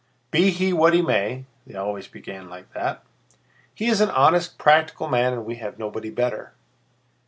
"Be he what he may" (they always began like that), "he is an honest, practical man and we have nobody better.